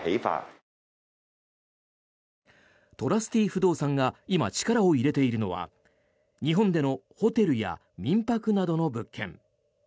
ＴＲＵＳＴＹ不動産が今、力を入れているのは日本でのホテルや民泊などの物件。